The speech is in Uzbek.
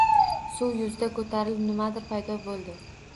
Suv yuziga ko`tarilib, nimadir paydo bo`ldi